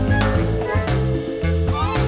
เอาไปเลย